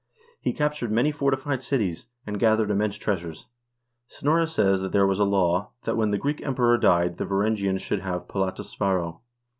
He captured many fortified cities, and gathered immense treasures. Snorre says that there was a law, that when the Greek Emperor died, the Varangians should have polata svaro.